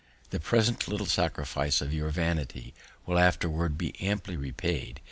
The present little sacrifice of your vanity will afterwards be amply repaid.